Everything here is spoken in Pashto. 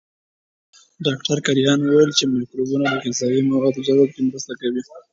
ډاکټر کرایان وویل چې مایکروبونه د غذایي موادو جذب کې مرسته کوي.